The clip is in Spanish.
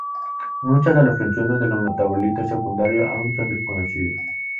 Muchas de las funciones de los metabolitos secundarios aún son desconocidas.